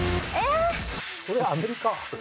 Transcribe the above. それアメリカ。